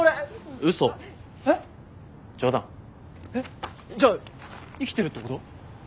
えっじゃあ生きてるってこと？